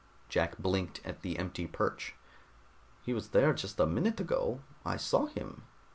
Jack blinked at the empty perch. "He was there just a minute ago. I saw him."